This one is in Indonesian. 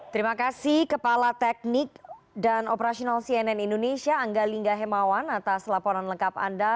terima kasih kepala teknik dan operasional cnn indonesia angga lingga hemawan atas laporan lengkap anda